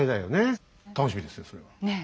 楽しみですよそれは。ねえ。